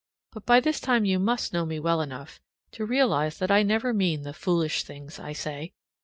But by this time you must know me well enough to realize that I never mean the foolish things I say.